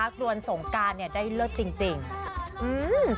สุดยอดเลยคุณผู้ชมค่ะบอกเลยว่าเป็นการส่งของคุณผู้ชมค่ะ